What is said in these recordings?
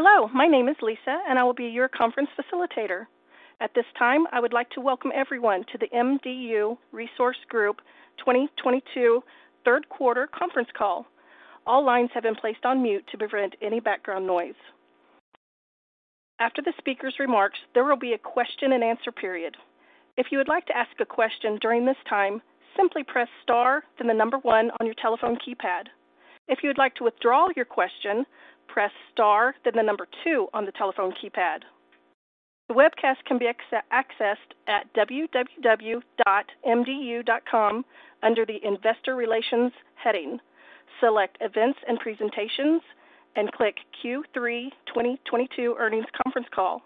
Hello, my name is Lisa, and I will be your conference facilitator. At this time, I would like to welcome everyone to the MDU Resources Group 2022 Third Quarter Conference Call. All lines have been placed on mute to prevent any background noise. After the speaker's remarks, there will be a question-and-answer period. If you would like to ask a question during this time, simply press star, then the number one on your telephone keypad. If you would like to withdraw your question, press star, then the number two on the telephone keypad. The webcast can be accessed at www.mdu.com under the Investor Relations heading. Select Events and Presentations and click Q3 2022 Earnings Conference Call.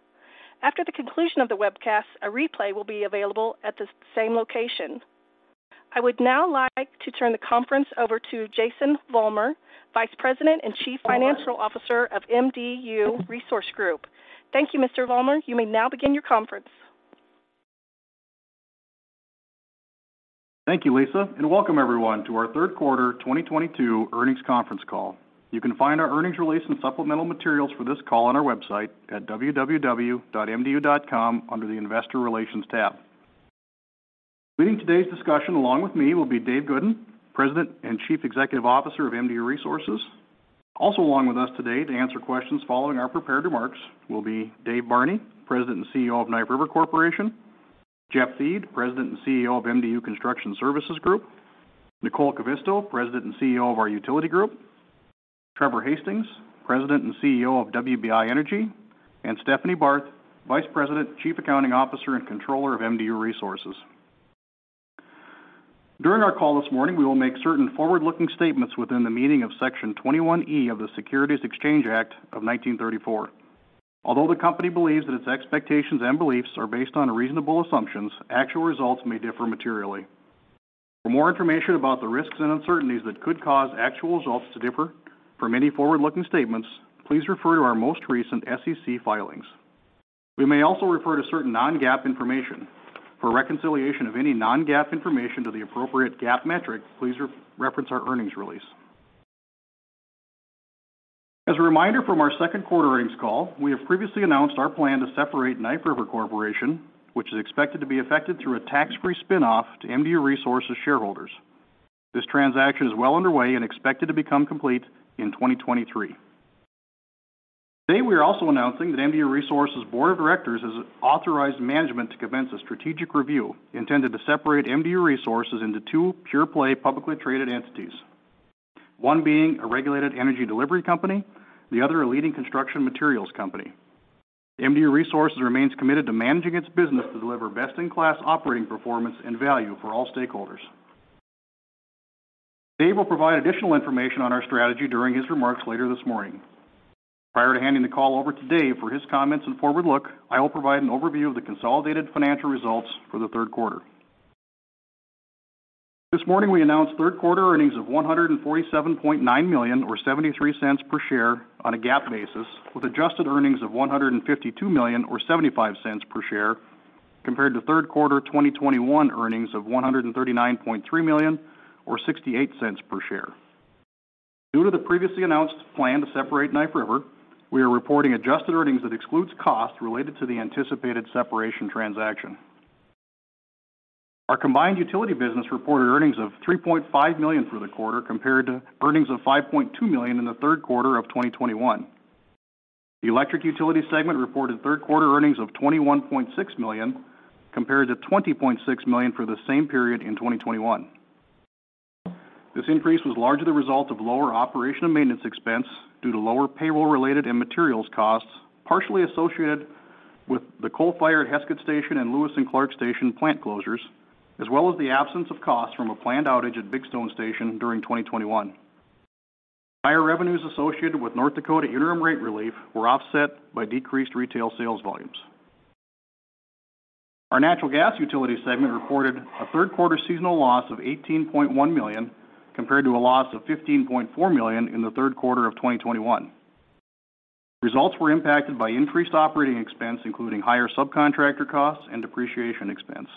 After the conclusion of the webcast, a replay will be available at the same location. I would now like to turn the conference over to Jason Vollmer, Vice President and Chief Financial Officer of MDU Resources Group. Thank you, Mr. Vollmer. You may now begin your conference. Thank you, Lisa, and welcome everyone to our Third Quarter 2022 Earnings Conference Call. You can find our earnings release and supplemental materials for this call on our website at www.mdu.com under the Investor Relations tab. Leading today's discussion along with me will be Dave Goodin, President and Chief Executive Officer of MDU Resources Group. Also along with us today to answer questions following our prepared remarks will be Dave Barney, President and CEO of Knife River Corporation, Jeff Thiede, President and CEO of MDU Construction Services Group, Nicole Kivisto, President and CEO of our Utility Group, Trevor Hastings, President and CEO of WBI Energy, and Stephanie Barth, Vice President, Chief Accounting Officer, and Controller of MDU Resources Group. During our call this morning, we will make certain forward-looking statements within the meaning of Section 21E of the Securities Exchange Act of 1934. Although the company believes that its expectations and beliefs are based on reasonable assumptions, actual results may differ materially. For more information about the risks and uncertainties that could cause actual results to differ from any forward-looking statements, please refer to our most recent SEC filings. We may also refer to certain non-GAAP information. For reconciliation of any non-GAAP information to the appropriate GAAP metric, please reference our earnings release. As a reminder from our Second Quarter earnings call, we have previously announced our plan to separate Knife River Corporation, which is expected to be effected through a tax-free spinoff to MDU Resources Group shareholders. This transaction is well underway and expected to become complete in 2023. Today, we are also announcing that MDU Resources Board of Directors has authorized management to commence a strategic review intended to separate MDU Resources into two pure-play publicly traded entities, one being a regulated energy delivery company, the other a leading construction materials company. MDU Resources remains committed to managing its business to deliver best-in-class operating performance and value for all stakeholders. Dave will provide additional information on our strategy during his remarks later this morning. Prior to handing the call over to Dave for his comments and forward look, I will provide an overview of the consolidated financial results for the third quarter. This morning, we announced third-quarter earnings of $147.9 million or $0.73 per share on a GAAP basis, with adjusted earnings of $152 million or $0.75 per share, compared to third quarter 2021 earnings of $139.3 million or $0.68 per share. Due to the previously announced plan to separate Knife River, we are reporting adjusted earnings that excludes costs related to the anticipated separation transaction. Our combined utility business reported earnings of $3.5 million for the quarter, compared to earnings of $5.2 million in the third quarter of 2021. The electric utility segment reported third-quarter earnings of $21.6 million, compared to $20.6 million for the same period in 2021. This increase was largely the result of lower operation and maintenance expense due to lower payroll-related and materials costs, partially associated with the coal-fired Heskett Station and Lewis and Clark Station plant closures, as well as the absence of costs from a planned outage at Big Stone Station during 2021. Higher revenues associated with North Dakota interim rate relief were offset by decreased retail sales volumes. Our natural gas utility segment reported a third-quarter seasonal loss of $18.1 million, compared to a loss of $15.4 million in the third quarter of 2021. Results were impacted by increased operating expense, including higher subcontractor costs and depreciation expense.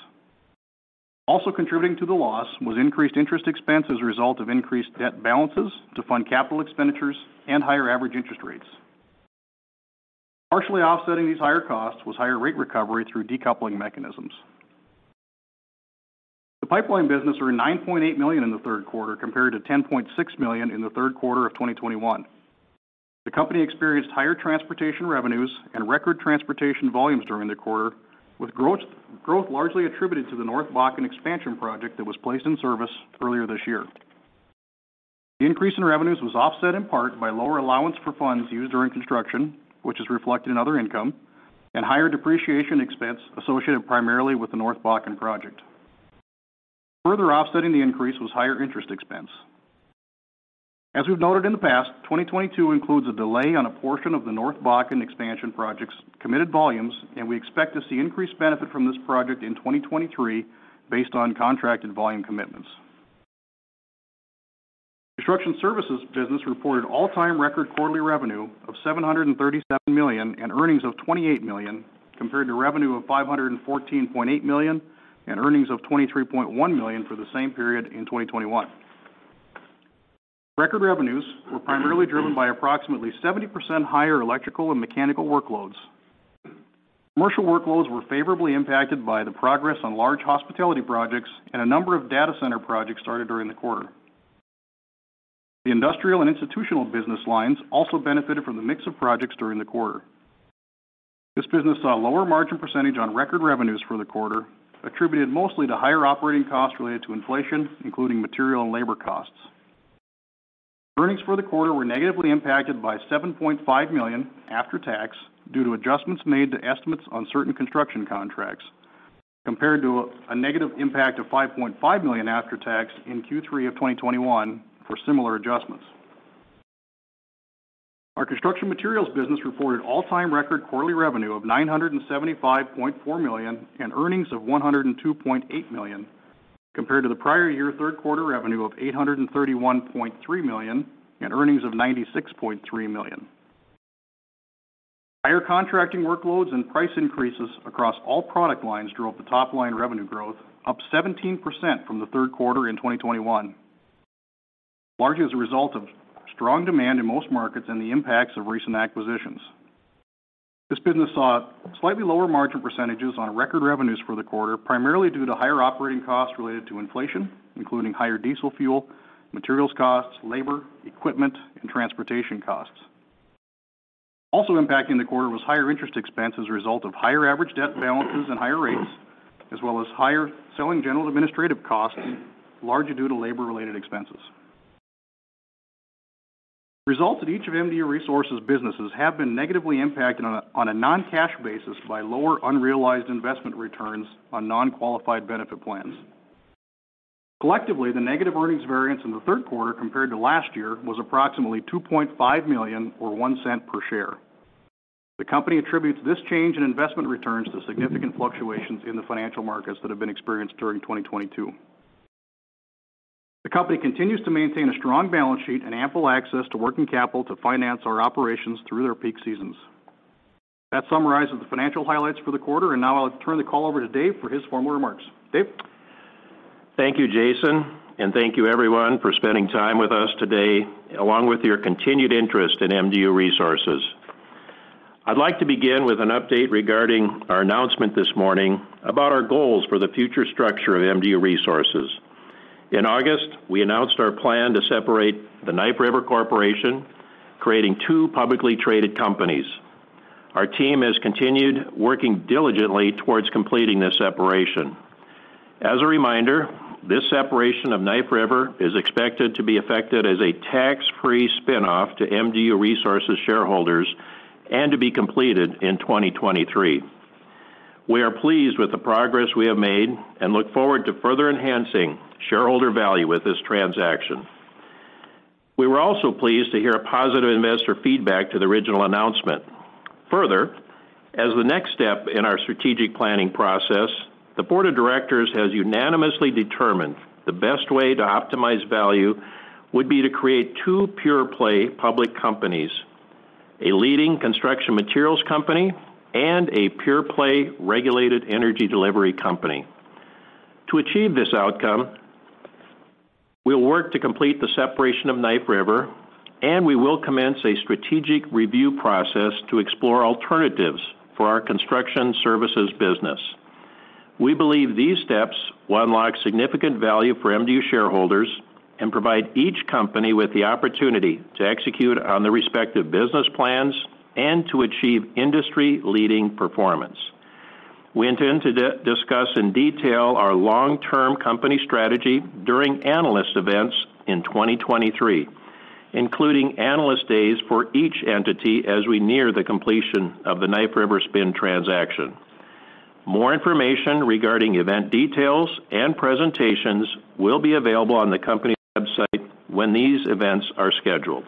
Also contributing to the loss was increased interest expense as a result of increased debt balances to fund capital expenditures and higher average interest rates. Partially offsetting these higher costs was higher rate recovery through decoupling mechanisms. The pipeline business earned $9.8 million in the third quarter, compared to $10.6 million in the third quarter of 2021. The company experienced higher transportation revenues and record transportation volumes during the quarter, with growth largely attributed to the North Bakken expansion project that was placed in service earlier this year. The increase in revenues was offset in part by lower allowance for funds used during construction, which is reflected in other income, and higher depreciation expense associated primarily with the North Bakken project. Further offsetting the increase was higher interest expense. As we've noted in the past, 2022 includes a delay on a portion of the North Bakken expansion project's committed volumes, and we expect to see increased benefit from this project in 2023 based on contracted volume commitments. Construction services business reported all-time record quarterly revenue of $737 million and earnings of $28 million, compared to revenue of $514.8 million and earnings of $23.1 million for the same period in 2021. Record revenues were primarily driven by approximately 70% higher electrical and mechanical workloads. Commercial workloads were favorably impacted by the progress on large hospitality projects and a number of data center projects started during the quarter. The industrial and institutional business lines also benefited from the mix of projects during the quarter. This business saw a lower margin percentage on record revenues for the quarter, attributed mostly to higher operating costs related to inflation, including material and labor costs. Earnings for the quarter were negatively impacted by $7.5 million after tax due to adjustments made to estimates on certain construction contracts, compared to a negative impact of $5.5 million after tax in Q3 of 2021 for similar adjustments. Our construction materials business reported all-time record quarterly revenue of $975.4 million and earnings of $102.8 million, compared to the prior year third quarter revenue of $831.3 million and earnings of $96.3 million. Higher contracting workloads and price increases across all product lines drove the top-line revenue growth, up 17% from the third quarter in 2021. Largely as a result of strong demand in most markets and the impacts of recent acquisitions. This business saw slightly lower margin percentages on record revenues for the quarter, primarily due to higher operating costs related to inflation, including higher diesel fuel, materials costs, labor, equipment, and transportation costs. Also impacting the quarter was higher interest expense as a result of higher average debt balances and higher rates, as well as higher selling general administrative costs, largely due to labor-related expenses. Results at each of MDU Resources Group businesses have been negatively impacted on a non-cash basis by lower unrealized investment returns on non-qualified benefit plans. Collectively, the negative earnings variance in the third quarter compared to last year was approximately $2.5 million or $0.01 per share. The company attributes this change in investment returns to significant fluctuations in the financial markets that have been experienced during 2022. The company continues to maintain a strong balance sheet and ample access to working capital to finance our operations through their peak seasons. That summarizes the financial highlights for the quarter, and now I'll turn the call over to Dave for his formal remarks. Dave? Thank you, Jason, and thank you everyone for spending time with us today, along with your continued interest in MDU Resources. I'd like to begin with an update regarding our announcement this morning about our goals for the future structure of MDU Resources. In August, we announced our plan to separate the Knife River Corporation, creating two publicly traded companies. Our team has continued working diligently towards completing this separation. As a reminder, this separation of Knife River is expected to be effected as a tax-free spinoff to MDU Resources shareholders and to be completed in 2023. We are pleased with the progress we have made and look forward to further enhancing shareholder value with this transaction. We were also pleased to hear a positive investor feedback to the original announcement. Further, as the next step in our strategic planning process, the board of directors has unanimously determined the best way to optimize value would be to create two pure-play public companies, a leading construction materials company and a pure-play regulated energy delivery company. To achieve this outcome, we'll work to complete the separation of Knife River, and we will commence a strategic review process to explore alternatives for our construction services business. We believe these steps will unlock significant value for MDU shareholders and provide each company with the opportunity to execute on the respective business plans and to achieve industry-leading performance. We intend to discuss in detail our long-term company strategy during analyst events in 2023, including analyst days for each entity as we near the completion of the Knife River spin transaction. More information regarding event details and presentations will be available on the company website when these events are scheduled.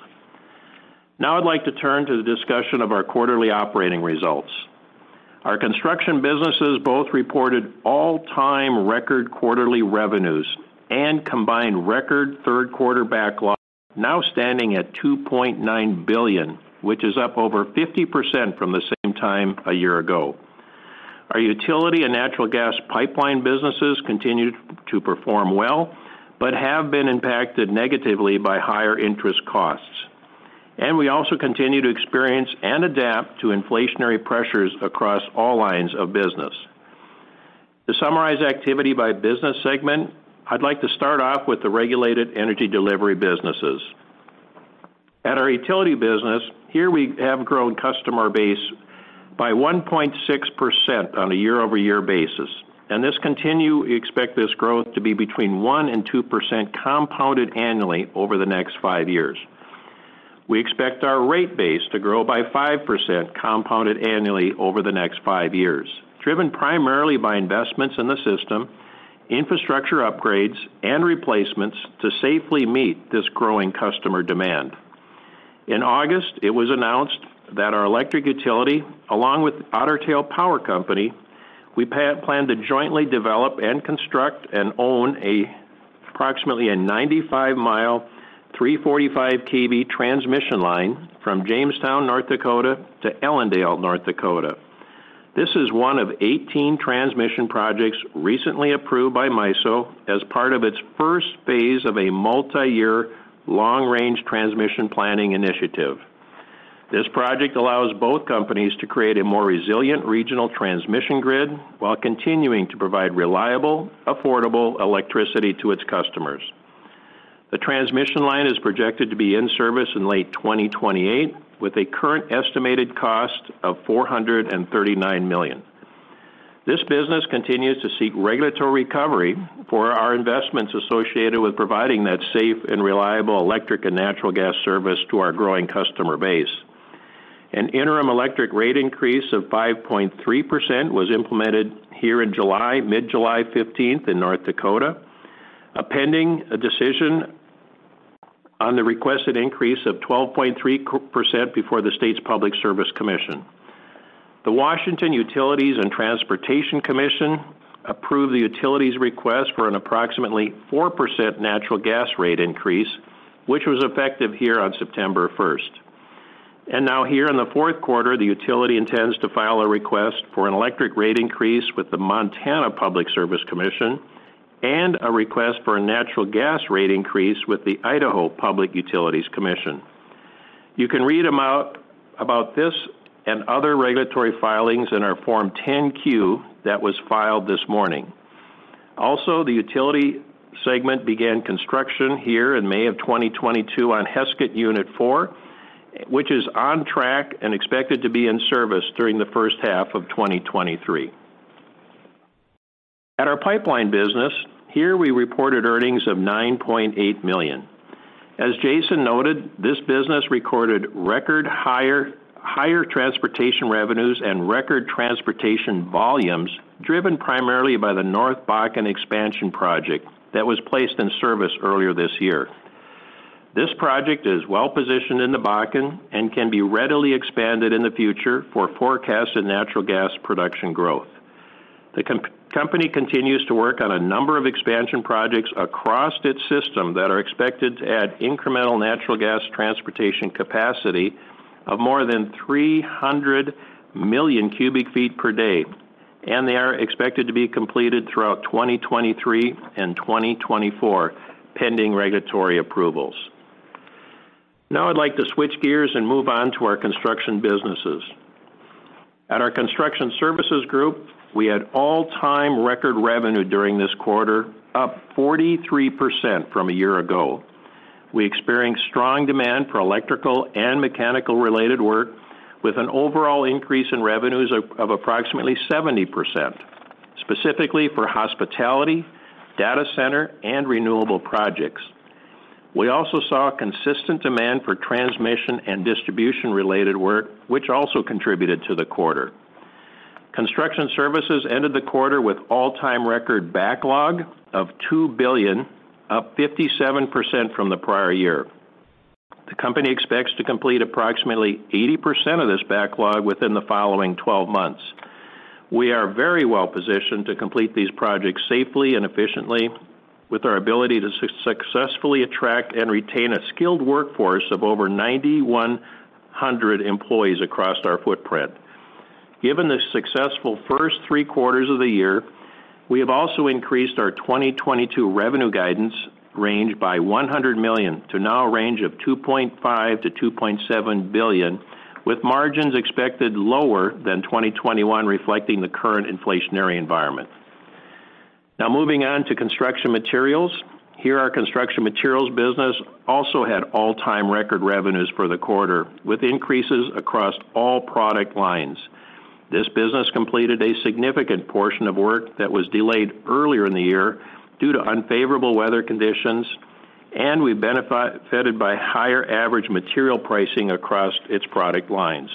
Now I'd like to turn to the discussion of our quarterly operating results. Our construction businesses both reported all-time record quarterly revenues and combined record third-quarter backlogs now standing at $2.9 billion, which is up over 50% from the same time a year ago. Our utility and natural gas pipeline businesses continued to perform well but have been impacted negatively by higher interest costs. We also continue to experience and adapt to inflationary pressures across all lines of business. To summarize activity by business segment, I'd like to start off with the regulated energy delivery businesses. At our utility business, here we have grown customer base by 1.6% on a year-over-year basis. We expect this growth to be between 1% and 2% compounded annually over the next fiv years. We expect our rate base to grow by 5% compounded annually over the next five years, driven primarily by investments in the system, infrastructure upgrades, and replacements to safely meet this growing customer demand. In August, it was announced that our electric utility, along with Otter Tail Power Company, plan to jointly develop and construct and own approximately a 95-mile 345-KV transmission line from Jamestown, North Dakota to Ellendale, North Dakota. This is one of 18 transmission projects recently approved by MISO as part of its first phase of a multi-year long-range transmission planning initiative. This project allows both companies to create a more resilient regional transmission grid while continuing to provide reliable, affordable electricity to its customers. The transmission line is projected to be in service in late 2028 with a current estimated cost of $439 million. This business continues to seek regulatory recovery for our investments associated with providing that safe and reliable electric and natural gas service to our growing customer base. An interim electric rate increase of 5.3% was implemented here in July, mid-July 15th in North Dakota, pending a decision on the requested increase of 12.3% before the State's Public Service Commission. The Washington Utilities and Transportation Commission approved the utility's request for an approximately 4% natural gas rate increase, which was effective here on September 1. Now here in the fourth quarter, the utility intends to file a request for an electric rate increase with the Montana Public Service Commission and a request for a natural gas rate increase with the Idaho Public Utilities Commission. You can read about this and other regulatory filings in our Form 10-Q that was filed this morning. Also, the utility segment began construction here in May of 2022 on Heskett Unit 4, which is on track and expected to be in service during the first half of 2023. At our pipeline business, here we reported earnings of $9.8 million. As Jason noted, this business recorded record higher transportation revenues and record transportation volumes, driven primarily by the North Bakken expansion project that was placed in service earlier this year. This project is well-positioned in the Bakken and can be readily expanded in the future for forecasted natural gas production growth. The company continues to work on a number of expansion projects across its system that are expected to add incremental natural gas transportation capacity of more than 300 million cubic feet per day, and they are expected to be completed throughout 2023 and 2024, pending regulatory approvals. Now I'd like to switch gears and move on to our construction businesses. At our construction services group, we had all-time record revenue during this quarter, up 43% from a year ago. We experienced strong demand for electrical and mechanical-related work with an overall increase in revenues of approximately 70%, specifically for hospitality, data center, and renewable projects. We also saw consistent demand for transmission and distribution-related work, which also contributed to the quarter. Construction services ended the quarter with all-time record backlog of $2 billion, up 57% from the prior year. The company expects to complete approximately 80% of this backlog within the following twelve months. We are very well positioned to complete these projects safely and efficiently with our ability to successfully attract and retain a skilled workforce of over 9,100 employees across our footprint. Given the successful first three quarters of the year, we have also increased our 2022 revenue guidance range by $100 million to now a range of $2.5 billion-$2.7 billion, with margins expected lower than 2021, reflecting the current inflationary environment. Now moving on to construction materials. Here, our construction materials business also had all-time record revenues for the quarter, with increases across all product lines. This business completed a significant portion of work that was delayed earlier in the year due to unfavorable weather conditions, and we benefited from higher average material pricing across its product lines.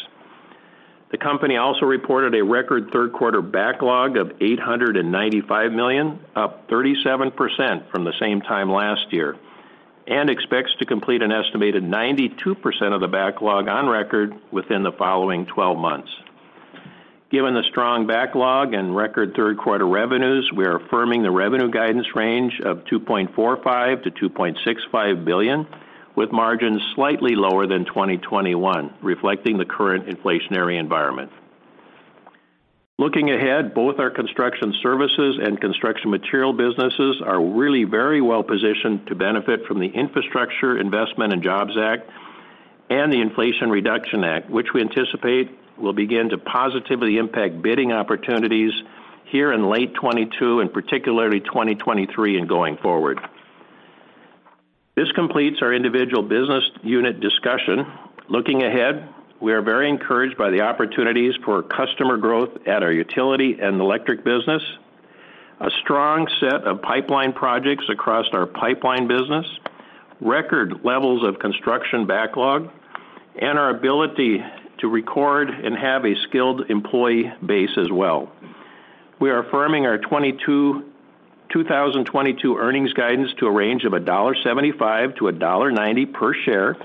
The company also reported a record third quarter backlog of $895 million, up 37% from the same time last year, and expects to complete an estimated 92% of the backlog on record within the following twelve months. Given the strong backlog and record third-quarter revenues, we are affirming the revenue guidance range of $2.45 billion-$2.65 billion, with margins slightly lower than 2021, reflecting the current inflationary environment. Looking ahead, both our construction services and construction material businesses are really very well-positioned to benefit from the Infrastructure Investment and Jobs Act and the Inflation Reduction Act, which we anticipate will begin to positively impact bidding opportunities here in late 2022 and particularly 2023 and going forward. This completes our individual business unit discussion. Looking ahead, we are very encouraged by the opportunities for customer growth at our utility and electric business, a strong set of pipeline projects across our pipeline business, record levels of construction backlog, and our ability to retain and have a skilled employee base as well. We are affirming our 2022 earnings guidance to a range of $1.75-$1.90 per share,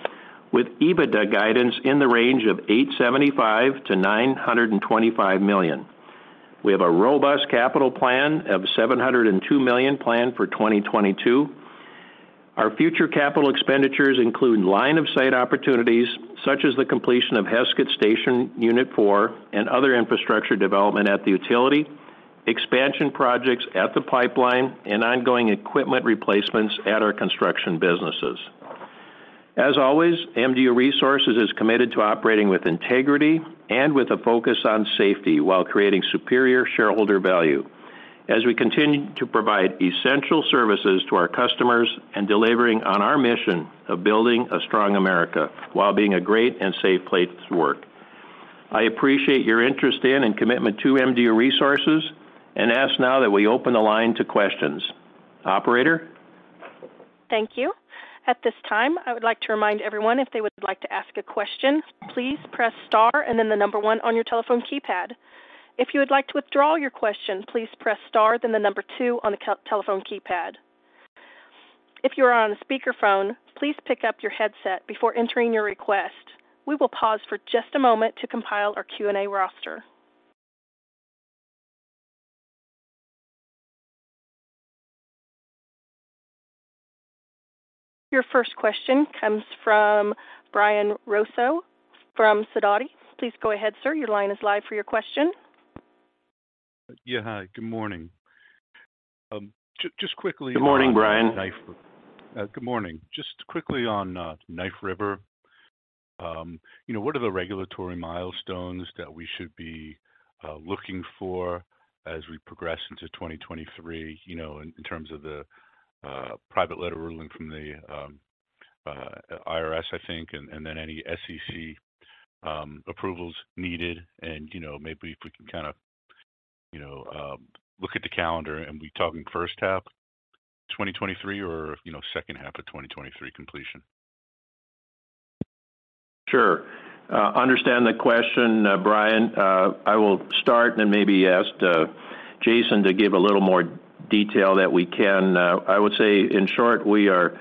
with EBITDA guidance in the range of $875 million-$925 million. We have a robust capital plan of $702 million planned for 2022. Our future capital expenditures include line of sight opportunities such as the completion of Heskett Unit 4 and other infrastructure development at the utility, expansion projects at the pipeline and ongoing equipment replacements at our construction businesses. As always, MDU Resources is committed to operating with integrity and with a focus on safety while creating superior shareholder value as we continue to provide essential services to our customers and delivering on our mission of building a strong America while being a great and safe place to work. I appreciate your interest in and commitment to MDU Resources and ask now that we open the line to questions. Operator? Thank you. At this time, I would like to remind everyone if they would like to ask a question, please press star and then the number one on your telephone keypad. If you would like to withdraw your question, please press star then the number two on the telephone keypad. If you are on a speakerphone, please pick up your headset before entering your request. We will pause for just a moment to compile our Q&A roster. Your first question comes from Brian Russo from Sidoti & Company. Please go ahead, sir. Your line is live for your question. Yeah, hi, good morning. Just quickly. Good morning, Brian. Good morning. Just quickly on Knife River. You know, what are the regulatory milestones that we should be looking for as we progress into 2023, you know, in terms of the private letter ruling from the IRS, I think, and then any SEC approvals needed and, you know, maybe if we can kind of look at the calendar and we talking first half of 2023 or, you know, second half of 2023 completion. Sure. I understand the question, Brian. I will start and maybe ask Jason to give a little more detail than we can. I would say in short, we have a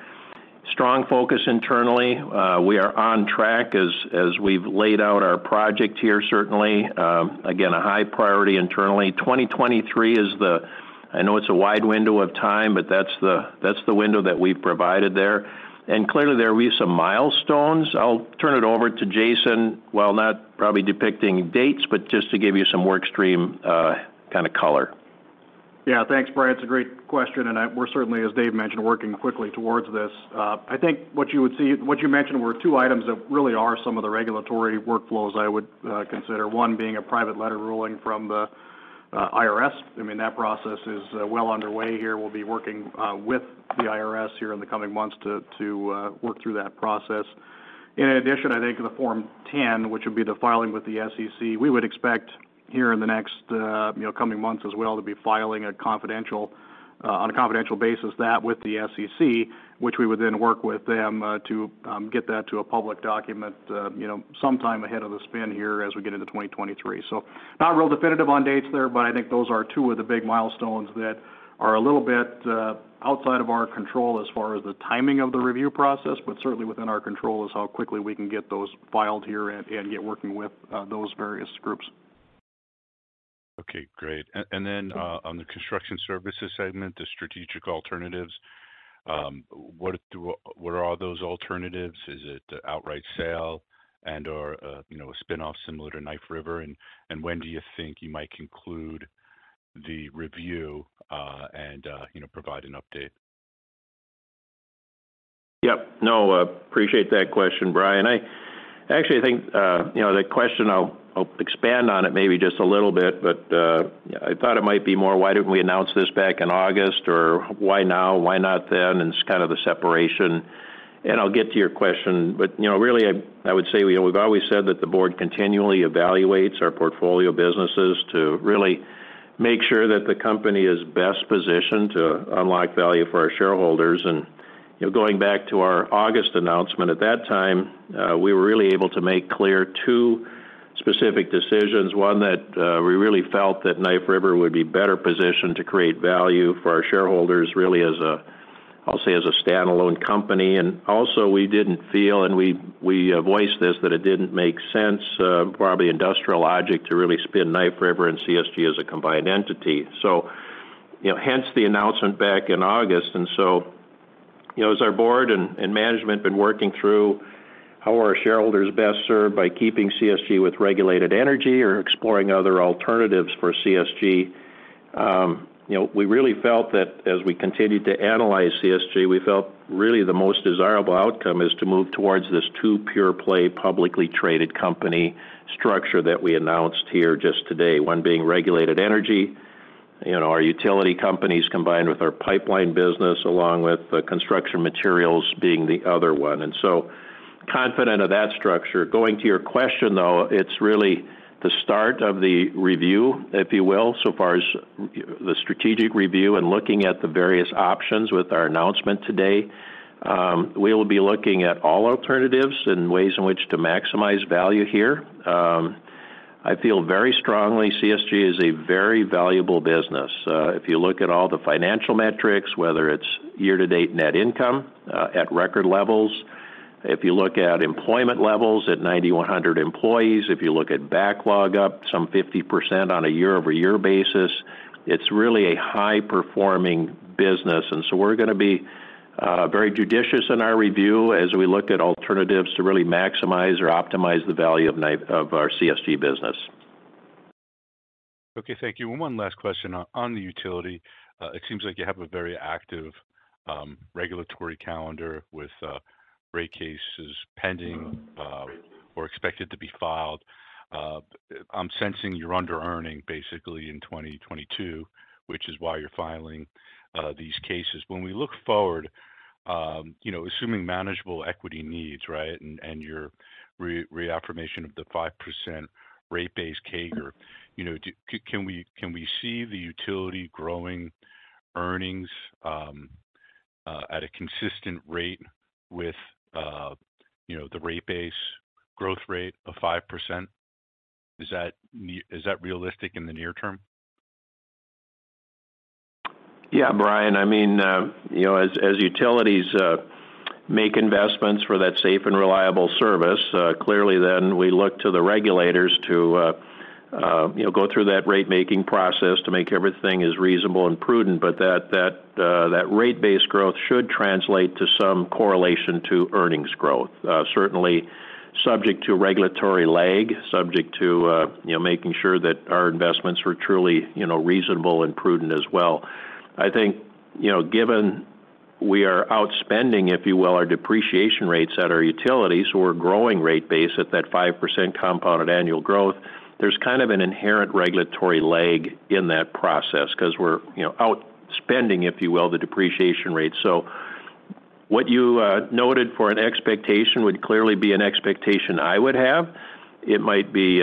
strong focus internally. We are on track as we've laid out our project here, certainly, again, a high priority internally. 2023 is the—I know it's a wide window of time, but that's the window that we've provided there. Clearly, there will be some milestones. I'll turn it over to Jason, while not probably depicting dates, but just to give you some work stream kind of color. Yeah. Thanks, Brian. It's a great question, and we're certainly, as Dave mentioned, working quickly towards this. I think what you mentioned were two items that really are some of the regulatory workflows I would consider. One being a private letter ruling from the IRS. I mean, that process is well underway here. We'll be working with the IRS here in the coming months to work through that process. In addition, I think in the Form 10, which would be the filing with the SEC, we would expect here in the next, you know, coming months as well to be filing on a confidential basis with the SEC, which we would then work with them to get that to a public document, you know, sometime ahead of the spin here as we get into 2023. Not real definitive on dates there, but I think those are two of the big milestones that are a little bit outside of our control as far as the timing of the review process, but certainly within our control is how quickly we can get those filed here and get working with those various groups. Okay, great. Then, on the construction services segment, the strategic alternatives, what are those alternatives? Is it outright sale and/or, you know, a spinoff similar to Knife River? When do you think you might conclude the review, and, you know, provide an update? Yep. No, I appreciate that question, Brian. I actually think, you know, the question I'll expand on it maybe just a little bit, but I thought it might be more, why didn't we announce this back in August or why now, why not then? It's kind of the separation. I'll get to your question. You know, really, I would say we've always said that the board continually evaluates our portfolio businesses to really make sure that the company is best positioned to unlock value for our shareholders. You know, going back to our August announcement, at that time, we were really able to make clear two specific decisions. One, that we really felt that Knife River would be better positioned to create value for our shareholders really as a, I'll say as a standalone company. Also we didn't feel, and we voiced this, that it didn't make sense, probably industrial logic to really spin Knife River and CSG as a combined entity. You know, hence the announcement back in August. You know, as our board and management been working through how are shareholders best served by keeping CSG with regulated energy or exploring other alternatives for CSG, you know, we really felt that as we continued to analyze CSG, we felt really the most desirable outcome is to move towards this two pure play publicly traded company structure that we announced here just today. One being regulated energy, you know, our utility companies combined with our pipeline business, along with the construction materials being the other one. Confident of that structure. Going to your question though, it's really the start of the review, if you will, so far as the strategic review and looking at the various options with our announcement today. We will be looking at all alternatives and ways in which to maximize value here. I feel very strongly CSG is a very valuable business. If you look at all the financial metrics, whether it's year-to-date net income at record levels. If you look at employment levels at 9,100 employees, if you look at backlog up some 50% on a year-over-year basis, it's really a high-performing business. We're gonna be very judicious in our review as we look at alternatives to really maximize or optimize the value of our CSG business. Okay. Thank you. One last question on the utility. It seems like you have a very active regulatory calendar with rate cases pending or expected to be filed. I'm sensing you're under-earning basically in 2022, which is why you're filing these cases. When we look forward, you know, assuming manageable equity needs, right? Your reaffirmation of the 5% rate base CAGR, you know, can we see the utility growing earnings at a consistent rate with the rate base growth rate of 5%? Is that realistic in the near term? Yeah, Brian. I mean, you know, as utilities make investments for that safe and reliable service, clearly then we look to the regulators to, you know, go through that rate-making process to make everything as reasonable and prudent, but that rate base growth should translate to some correlation to earnings growth. Certainly subject to regulatory lag, subject to, you know, making sure that our investments are truly, you know, reasonable and prudent as well. I think, you know, given we are outspending, if you will, our depreciation rates at our utilities, so we're growing rate base at that 5% compounded annual growth. There's kind of an inherent regulatory lag in that process 'cause we're, you know, outspending, if you will, the depreciation rate. What you noted for an expectation would clearly be an expectation I would have. It might be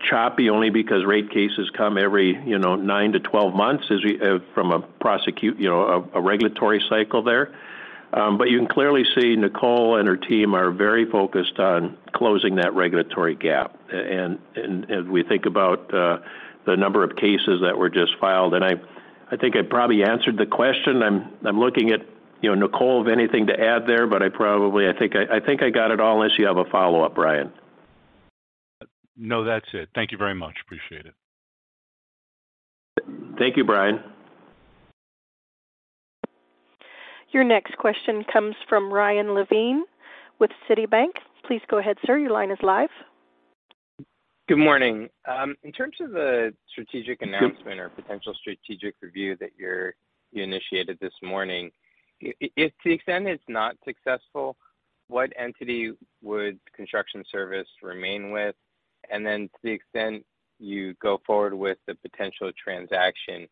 choppy only because rate cases come every, you know, 9-12 months as we prosecute a regulatory cycle there. You can clearly see Nicole and her team are very focused on closing that regulatory gap. As we think about the number of cases that were just filed, and I think I probably answered the question. I'm looking at, you know, Nicole for anything to add there, but I probably think I got it all unless you have a follow-up, Brian. No, that's it. Thank you very much. Appreciate it. Thank you, Brian. Your next question comes from Ryan Levine with Citi. Please go ahead, sir. Your line is live. Good morning. In terms of the strategic announcement or potential strategic review that you initiated this morning, if to the extent it's not successful, what entity would Construction Services Group remain with? To the extent you go forward with the potential transaction,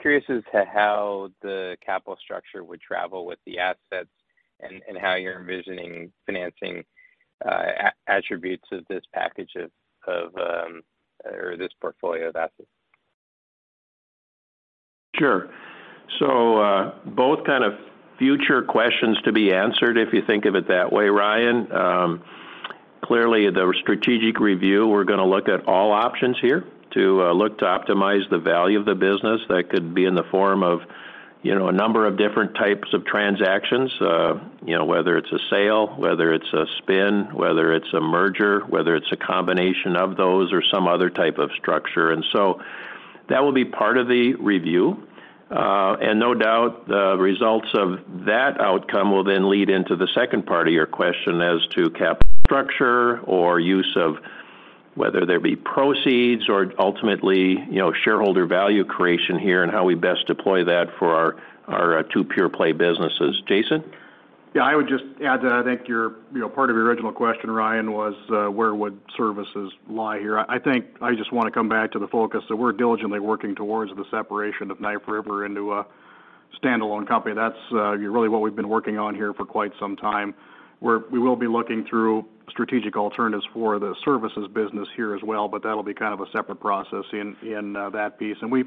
curious as to how the capital structure would travel with the assets and how you're envisioning financing attributes of this package or this portfolio of assets. Sure. So, both kind of future questions to be answered, if you think of it that way, Ryan. Clearly, the strategic review, we're gonna look at all options here to look to optimize the value of the business. That could be in the form of, you know, a number of different types of transactions, you know, whether it's a sale, whether it's a spin, whether it's a merger, whether it's a combination of those or some other type of structure. That will be part of the review. No doubt, the results of that outcome will then lead into the second part of your question as to capital structure or use of whether there be proceeds or ultimately, you know, shareholder value creation here and how we best deploy that for our two pure play businesses. Jason? Yeah. I would just add to that. I think your, you know, part of your original question, Ryan, was where would services lie here? I think I just wanna come back to the focus that we're diligently working towards the separation of Knife River into a standalone company. That's really what we've been working on here for quite some time. We will be looking through strategic alternatives for the services business here as well, but that'll be kind of a separate process in that piece. We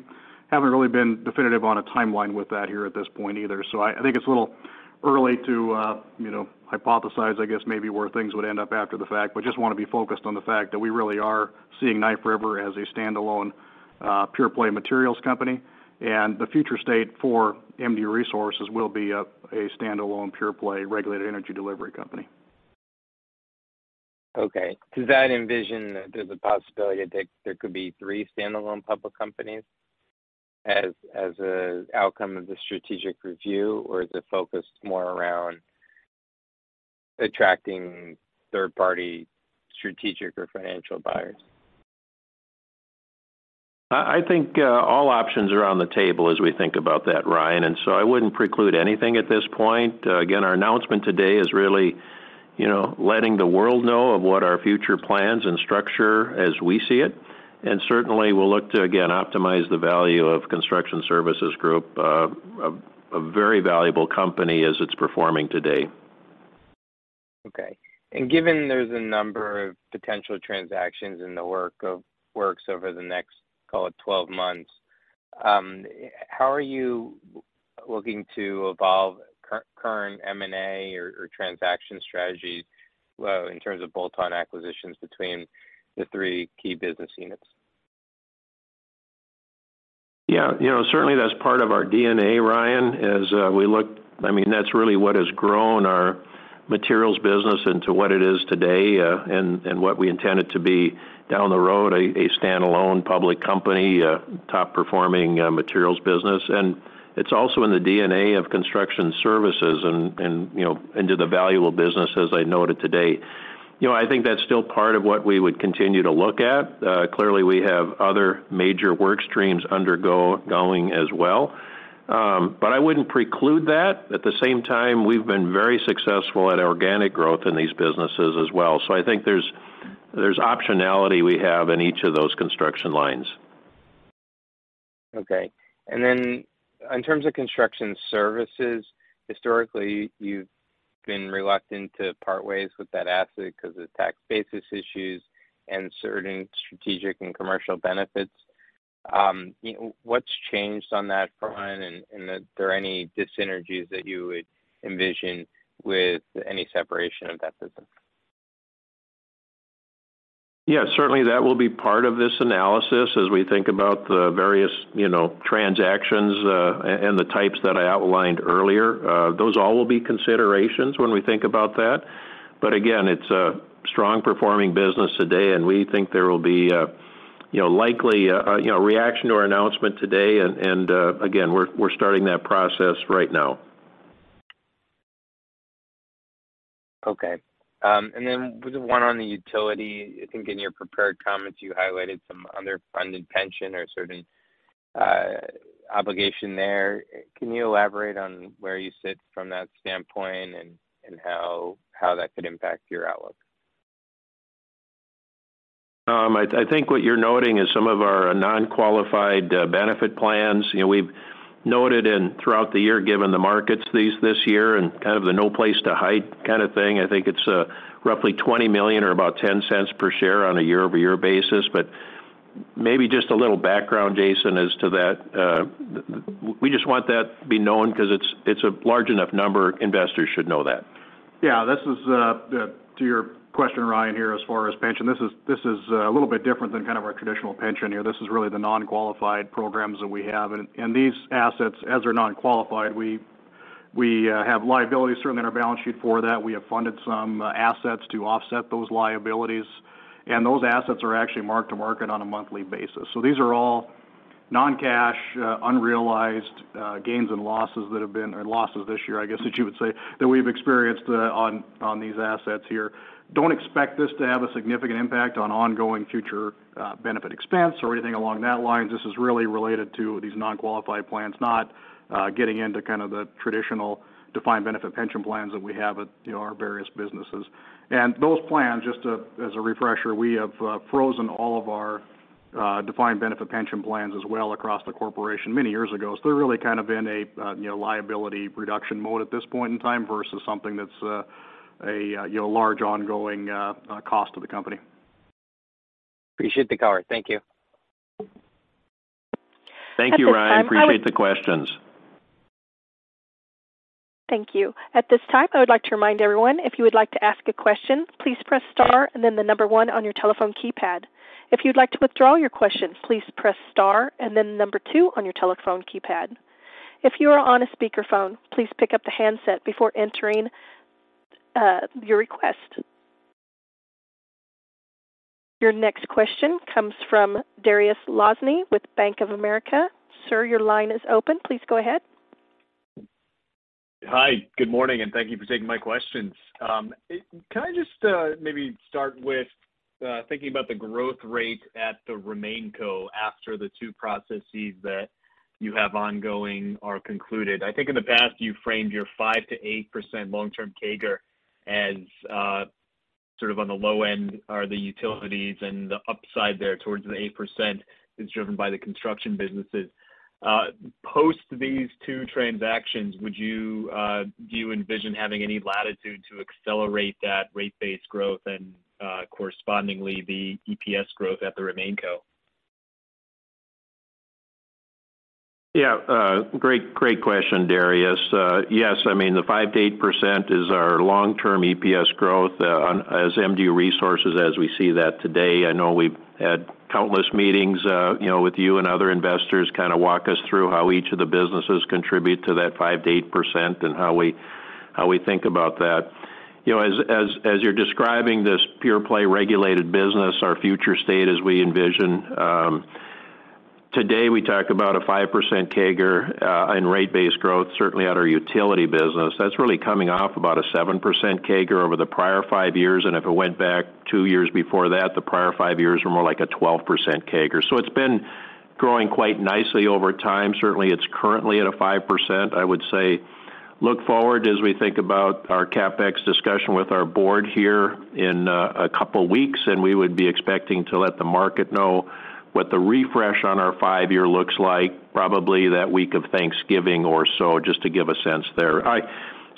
haven't really been definitive on a timeline with that here at this point either. I think it's a little early to, you know, hypothesize, I guess, maybe where things would end up after the fact, but just wanna be focused on the fact that we really are seeing Knife River as a standalone pure play materials company, and the future state for MDU Resources will be a standalone pure play regulated energy delivery company. Okay. Does that envision that there's a possibility that there could be three standalone public companies as a outcome of the strategic review, or is it focused more around attracting third-party strategic or financial buyers? I think all options are on the table as we think about that, Ryan, and so I wouldn't preclude anything at this point. Again, our announcement today is really, you know, letting the world know of what our future plans and structure as we see it. Certainly, we'll look to, again, optimize the value of Construction Services Group, a very valuable company as it's performing today. Okay. Given there's a number of potential transactions in the works over the next, call it, 12 months, how are you looking to evolve current M&A or transaction strategies in terms of bolt-on acquisitions between the three key business units? Yeah. You know, certainly that's part of our DNA, Ryan, as we look. I mean, that's really what has grown our materials business into what it is today, and what we intend it to be down the road, a standalone public company, a top-performing materials business. It's also in the DNA of construction services and, you know, into the utility business, as I noted today. You know, I think that's still part of what we would continue to look at. Clearly, we have other major work streams undergoing as well. I wouldn't preclude that. At the same time, we've been very successful at organic growth in these businesses as well. I think there's optionality we have in each of those construction lines. Okay. In terms of construction services, historically, you've been reluctant to part ways with that asset 'cause of the tax basis issues and certain strategic and commercial benefits. You know, what's changed on that front? Are there any dyssynergies that you would envision with any separation of that business? Yeah, certainly that will be part of this analysis as we think about the various, you know, transactions, and the types that I outlined earlier. Those all will be considerations when we think about that. But again, it's a strong performing business today, and we think there will be, you know, likely a reaction to our announcement today, and again, we're starting that process right now. Okay. With the one on the utility, I think in your prepared comments, you highlighted some underfunded pension or certain obligation there. Can you elaborate on where you sit from that standpoint and how that could impact your outlook? I think what you're noting is some of our non-qualified benefit plans. You know, we've noted throughout the year, given the markets this year and kind of the no place to hide kind of thing, I think it's roughly $20 million or about 10 cents per share on a year-over-year basis. Maybe just a little background, Jason, as to that. We just want that to be known 'cause it's a large enough number, investors should know that. Yeah. This is to your question, Ryan, here as far as pension. This is a little bit different than kind of our traditional pension here. This is really the non-qualified programs that we have. These assets, as they're non-qualified, we have liabilities certainly in our balance sheet for that. We have funded some assets to offset those liabilities, and those assets are actually marked to market on a monthly basis. These are all non-cash unrealized gains and losses that have been or losses this year, I guess, that you would say, that we've experienced on these assets here. Don't expect this to have a significant impact on ongoing future benefit expense or anything along that line. This is really related to these non-qualified plans, not getting into kind of the traditional defined benefit pension plans that we have at, you know, our various businesses. Those plans, just as a refresher, we have frozen all of our defined benefit pension plans as well across the corporation many years ago. They're really kind of in a, you know, liability reduction mode at this point in time versus something that's, a, you know, large ongoing cost to the company. Appreciate the color. Thank you. Thank you, Ryan. Appreciate the questions. Thank you. At this time, I would like to remind everyone, if you would like to ask a question, please press star and then one on your telephone keypad. If you'd like to withdraw your question, please press star and then two on your telephone keypad. If you are on a speakerphone, please pick up the handset before entering your request. Your next question comes from Dariusz Lozny with Bank of America. Sir, your line is open. Please go ahead. Hi. Good morning, and thank you for taking my questions. Can I just maybe start with thinking about the growth rate at the RemainCo after the two processes that you have ongoing are concluded? I think in the past, you framed your 5%-8% long-term CAGR as sort of on the low end are the utilities, and the upside there towards the 8% is driven by the construction businesses. Post these two transactions, would you envision having any latitude to accelerate that rate base growth and correspondingly the EPS growth at the RemainCo? Yeah. Great question, Dariusz. Yes, I mean, the 5%-8% is our long-term EPS growth for MDU Resources as we see it today. I know we've had countless meetings, you know, with you and other investors kinda walk us through how each of the businesses contribute to that 5%-8% and how we think about that. You know, as you're describing this pure play regulated business, our future state as we envision, today we talk about a 5% CAGR and rate base growth certainly at our utility business. That's really coming off about a 7% CAGR over the prior five years. If it went back two years before that, the prior five years were more like a 12% CAGR. It's been growing quite nicely over time. Certainly, it's currently at 5%. I would say look forward as we think about our CapEx discussion with our board here in a couple weeks, and we would be expecting to let the market know what the refresh on our five-year looks like, probably that week of Thanksgiving or so, just to give a sense there.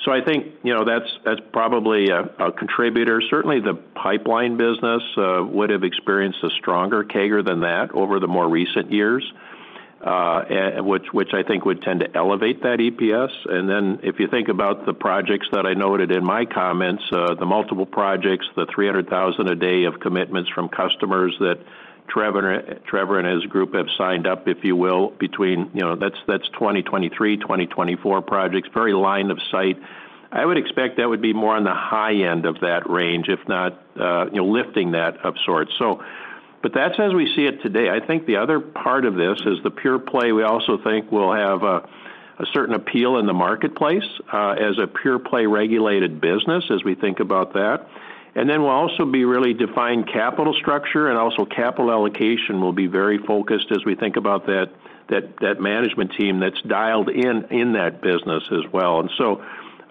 So I think, you know, that's probably a contributor. Certainly, the pipeline business would have experienced a stronger CAGR than that over the more recent years, and which I think would tend to elevate that EPS. If you think about the projects that I noted in my comments, the multiple projects, the 300,000 a day of commitments from customers that Trevor and his group have signed up, if you will, between, you know, that's 2023, 2024 projects, very line of sight. I would expect that would be more on the high end of that range, if not, you know, lifting that of sorts. But that's as we see it today. I think the other part of this is the pure play we also think will have a certain appeal in the marketplace, as a pure play regulated business as we think about that. We'll also be really defined capital structure and also capital allocation will be very focused as we think about that management team that's dialed in that business as well.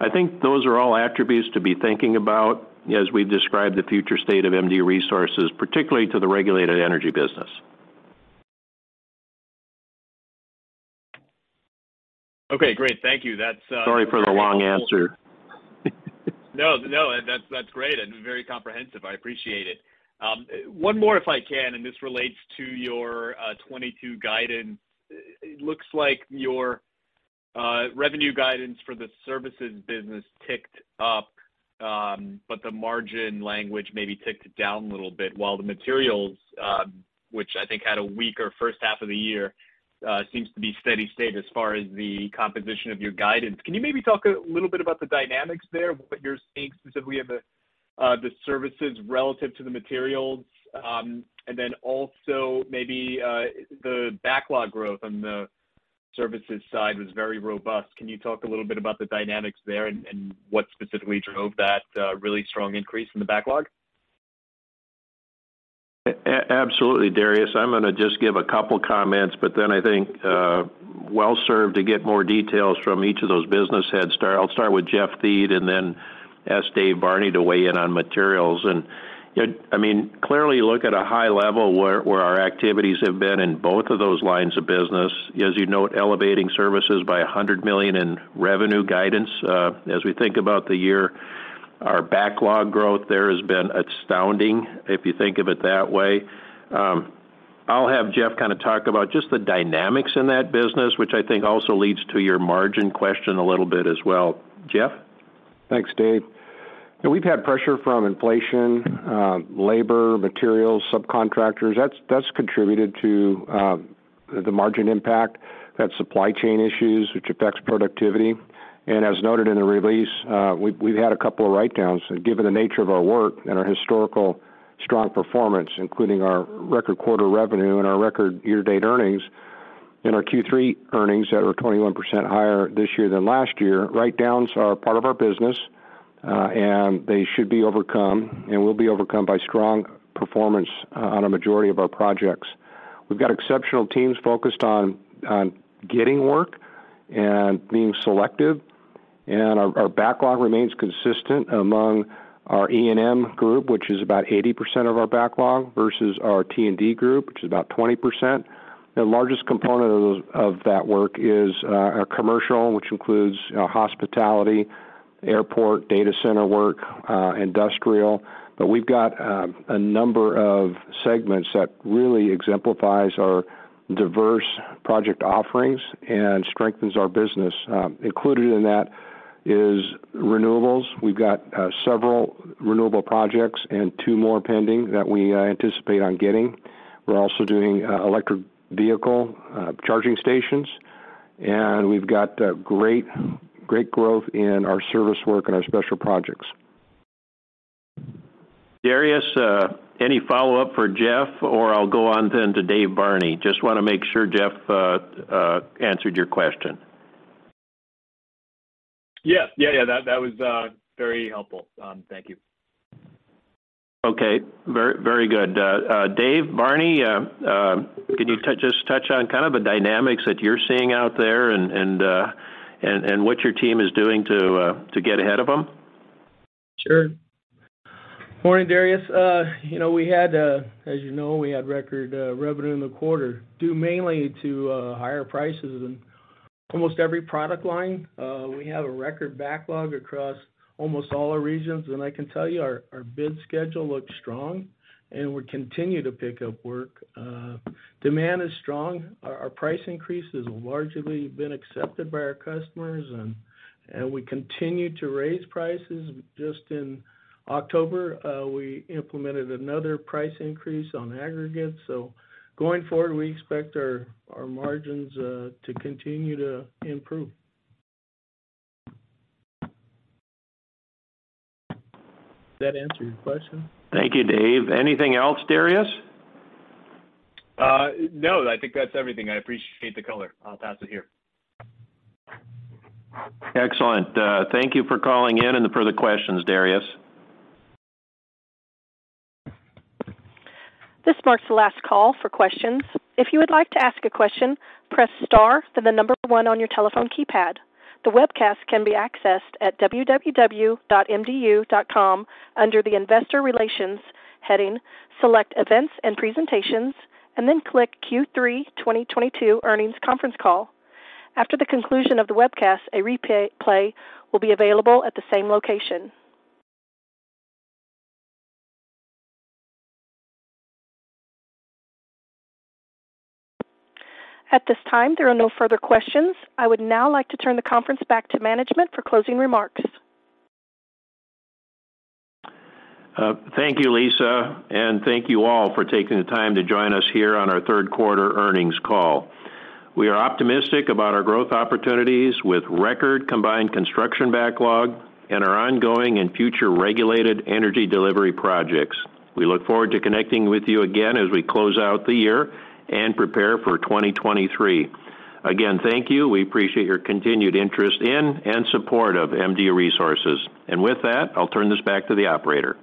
I think those are all attributes to be thinking about as we describe the future state of MDU Resources, particularly to the regulated energy business. Okay, great. Thank you. That's Sorry for the long answer. No, no, that's great and very comprehensive. I appreciate it. One more if I can, and this relates to your 2022 guidance. It looks like your revenue guidance for the services business ticked up, but the margin language maybe ticked down a little bit while the materials, which I think had a weaker first half of the year, seems to be steady state as far as the composition of your guidance. Can you maybe talk a little bit about the dynamics there, what you're seeing specifically of the services relative to the materials? And then also maybe the backlog growth on the services side was very robust. Can you talk a little bit about the dynamics there and what specifically drove that really strong increase in the backlog? Absolutely, Dariusz. I'm gonna just give a couple comments, but then I think well-served to get more details from each of those business heads. I'll start with Jeff Thiede and then ask David Barney to weigh in on materials. You know, I mean, clearly look at a high level where our activities have been in both of those lines of business. As you note, elevating services by $100 million in revenue guidance as we think about the year. Our backlog growth there has been astounding if you think of it that way. I'll have Jeff kind of talk about just the dynamics in that business, which I think also leads to your margin question a little bit as well. Jeff? Thanks, Dave. We've had pressure from inflation, labor, materials, subcontractors. That's contributed to the margin impact. We've had supply chain issues, which affects productivity. As noted in the release, we've had a couple of write-downs. Given the nature of our work and our historical strong performance, including our record quarter revenue and our record year-to-date earnings and our Q3 earnings that are 21% higher this year than last year, write-downs are part of our business, and they should be overcome and will be overcome by strong performance on a majority of our projects. We've got exceptional teams focused on getting work and being selective, and our backlog remains consistent among our E&M group, which is about 80% of our backlog, versus our T&D group, which is about 20%. The largest component of that work is our commercial, which includes hospitality, airport, data center work, industrial. We've got a number of segments that really exemplifies our diverse project offerings and strengthens our business. Included in that is renewables. We've got several renewable projects and two more pending that we anticipate on getting. We're also doing electric vehicle charging stations, and we've got great growth in our service work and our special projects. Dariusz, any follow-up for Jeff, or I'll go on then to David Barney. Just wanna make sure Jeff answered your question. Yes. Yeah, that was very helpful. Thank you. Okay, very good. David Barney, can you just touch on kind of the dynamics that you're seeing out there and what your team is doing to get ahead of them? Sure. Morning, Dariusz. You know, as you know, we had record revenue in the quarter, due mainly to higher prices in almost every product line. We have a record backlog across almost all our regions. I can tell you our bid schedule looks strong and we continue to pick up work. Demand is strong. Our price increases have largely been accepted by our customers, and we continue to raise prices. Just in October, we implemented another price increase on aggregates. Going forward, we expect our margins to continue to improve. Does that answer your question? Thank you, Dave. Anything else, Dariusz? No, I think that's everything. I appreciate the color. I'll pass it here. Excellent. Thank you for calling in and the further questions, Dariusz. This marks the last call for questions. If you would like to ask a question, press star, then one on your telephone keypad. The webcast can be accessed at www.mdu.com under the Investor Relations heading. Select Events and Presentations, and then click Q3 2022 Earnings Conference Call. After the conclusion of the webcast, a replay will be available at the same location. At this time, there are no further questions. I would now like to turn the conference back to management for closing remarks. Thank you, Lisa, and thank you all for taking the time to join us here on our third quarter earnings call. We are optimistic about our growth opportunities with record combined construction backlog and our ongoing and future regulated energy delivery projects. We look forward to connecting with you again as we close out the year and prepare for 2023. Again, thank you. We appreciate your continued interest in and support of MDU Resources. With that, I'll turn this back to the operator.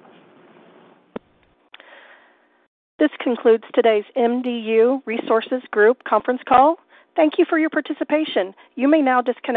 This concludes today's MDU Resources Group conference call. Thank you for your participation. You may now disconnect.